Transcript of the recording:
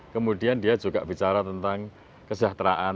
kemudian dia juga bicara tentang kesejahteraan